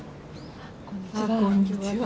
ああこんにちは。